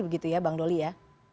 begitu ya bang doli ya